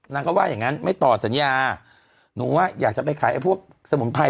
นางก็ว่าอย่างงั้นไม่ต่อสัญญาหนูว่าอยากจะไปขายไอ้พวกสมุนไพร